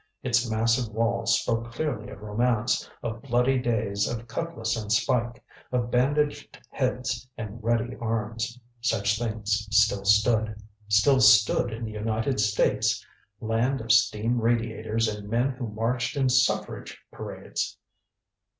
Its massive walls spoke clearly of romance, of bloody days of cutlass and spike, of bandaged heads and ready arms. Such things still stood! Still stood in the United States land of steam radiators and men who marched in suffrage parades!